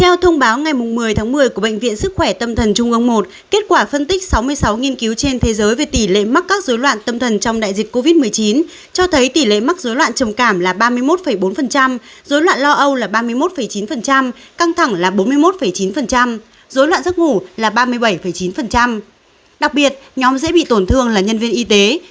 các bạn hãy đăng ký kênh để ủng hộ kênh của chúng mình nhé